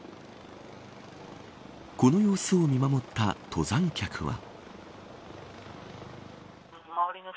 この様子を見守った登山客は。